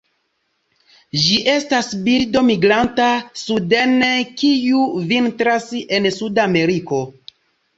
Ĝi estas birdo migranta suden kiu vintras en Suda Ameriko.